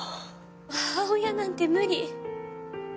母親なんて無理。